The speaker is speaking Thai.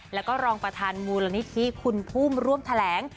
แล้วก็รองประธานมูลนิธิคุณภูมิร่วมแถลง